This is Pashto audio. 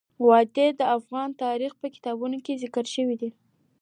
وادي د افغان تاریخ په کتابونو کې ذکر شوی دي.